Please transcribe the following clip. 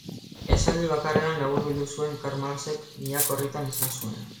Esaldi bakarrean laburbildu zuen Karl Marxek milaka orritan esan zuena.